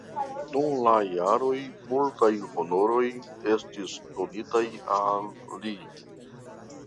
Dum la jaroj multaj honoroj estis donitaj al li.